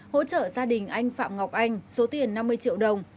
hỗ trợ gia đình anh phạm ngọc anh số tiền năm mươi triệu đồng